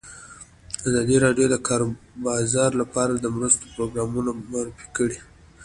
ازادي راډیو د د کار بازار لپاره د مرستو پروګرامونه معرفي کړي.